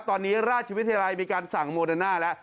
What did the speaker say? ตอนนี้ราชวิทยาลัยมีการสั่งโมเดอร์น่าแล้ว